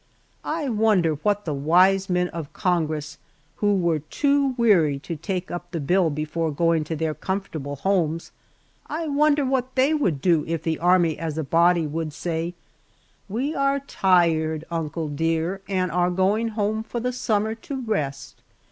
I wonder what the wise men of Congress, who were too weary to take up the bill before going to their comfortable homes I wonder what they would do if the Army as a body would say, "We are tired. Uncle, dear, and are going home for the summer to rest.